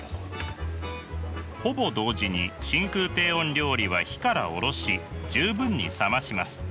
ほぼ同時に真空低温料理は火から下ろし十分に冷まします。